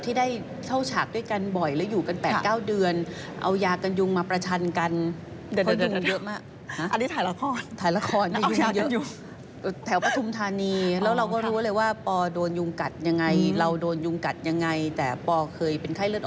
ที่ได้เท่าฉากด้วยกันบ่อยและอยู่กัน๘๙เดือน